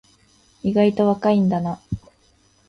意外と若いんだな